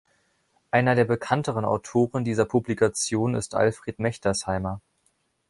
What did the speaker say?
Einer der bekannteren Autoren dieser Publikation ist Alfred Mechtersheimer.